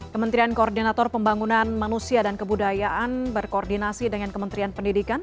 kementerian koordinator pembangunan manusia dan kebudayaan berkoordinasi dengan kementerian pendidikan